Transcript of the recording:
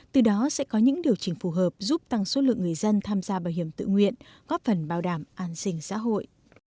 từ đó sẽ có những điều chỉnh phù hợp giúp tăng số lượng người dân tham gia bảo hiểm tự nguyện góp phần bảo đảm an sinh xã hội